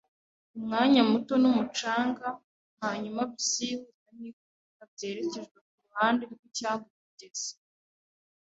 kumwanya muto mumucanga, hanyuma, byihuta nkikubita, byerekejwe kuruhande rwicyambu kugeza